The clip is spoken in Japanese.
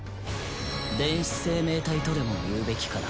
電子生命体とでも言うべきかな。